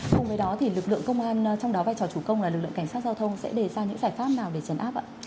cùng với đó thì lực lượng công an trong đó vai trò chủ công là lực lượng cảnh sát giao thông sẽ đề ra những giải pháp nào để chấn áp ạ